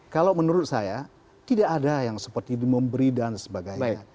kalau menurut saya tidak ada yang seperti memberi dan sebagainya